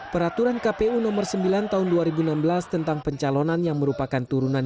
peraturan kpu nomor sembilan tahun dua ribu enam belas tentang pencalonan yang merupakan turunan